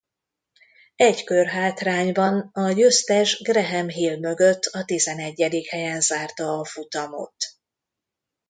Egy kör hátrányban a győztes Graham Hill mögött a tizennegyedik helyen zárta a futamot.